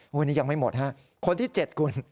โหวนี่ยังไม่หมดค่า